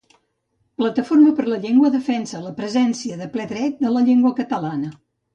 Plataforma per la Llengua defensa la presència de ple dret de la llengua catalana